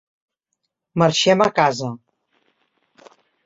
Marxem a casa.